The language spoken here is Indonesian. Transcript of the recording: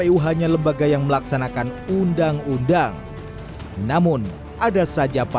keputusan kpu yang ditutup